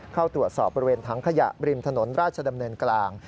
เข้าตรวจสอบบริเวณถังขยะริมถนนราชดำเนินกลาง